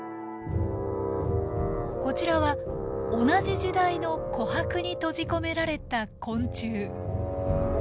こちらは同じ時代の琥珀に閉じ込められた昆虫。